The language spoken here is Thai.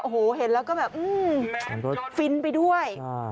โอ้โหเห็นแล้วก็แบบฟินไปด้วย